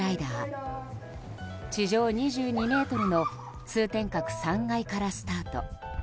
地上２２ｍの通天閣３階からスタート。